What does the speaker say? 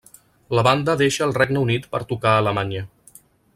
La banda deixa el Regne Unit per tocar a Alemanya.